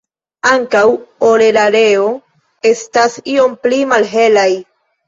Ankaŭ orelareo estas iom pli malhelaj.